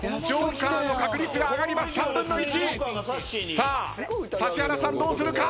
さあ指原さんどうするか？